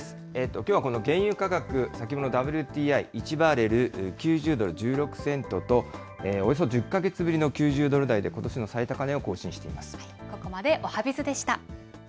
きょうはこの原油価格、先物ＷＴＩ、１バレル９０ドル１６セントと、およそ１０か月ぶりの９０ドル台でことしの最高値を更新しています。